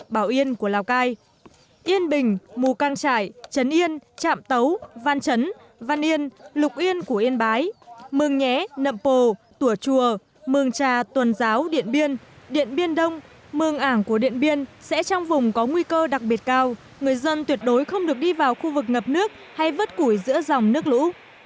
bảo yên của lào cai yên bình mù căng trải trấn yên trạm tấu văn trấn văn yên lục yên của yên bái mường nhé nậm pồ tùa chùa mường trà tuần giáo điện biên điện biên đông mường ảng của điện biên sẽ trong vùng có nguy cơ đặc biệt cao người dân tuyệt đối không được đi vào khu vực ngập nước hay vứt củi giữa dòng nước lũ